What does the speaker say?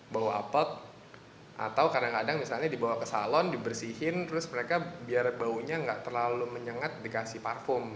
bau apet atau kadang kadang misalnya dibawa ke salon dibersihin terus mereka biar baunya nggak terlalu menyengat dikasih parfum